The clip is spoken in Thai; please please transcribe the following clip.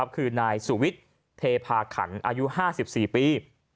คือนายสุวิทย์เทพาขันอายุ๕๔ปี